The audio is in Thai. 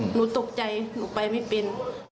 หนูตกใจหนูไปไม่เป็น